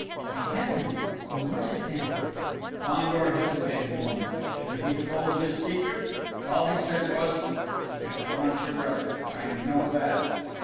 "Great Heaven! Who was it then?" Fandor hesitated a moment.... Should he divulge his secret? All he said was: "It was not your brother I know that!"